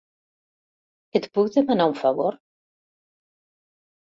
Et puc demanar un favor?